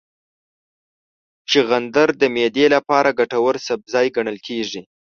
چغندر د معدې لپاره ګټور سبزی ګڼل کېږي.